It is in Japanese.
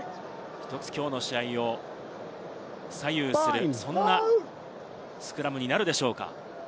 １つ、きょうの試合を左右する、そんなスクラムになるでしょうか。